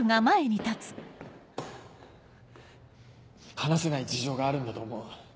話せない事情があるんだと思う。